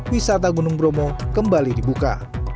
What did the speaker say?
wisata gunung bromo kembali dibuka